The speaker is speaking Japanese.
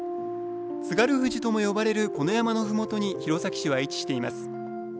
津軽富士とも呼ばれるこの山のふもとに弘前市は位置しています。